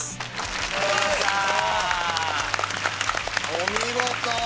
お見事！